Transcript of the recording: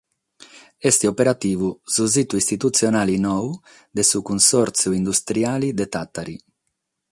Est operativu su situ istitutzionale nou de su Cunsòrtziu Industriale de Tàtari.